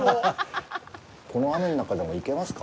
この雨の中でも行けますか？